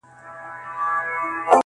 دا کيسه د انسان د وجدان غږ ګرځي-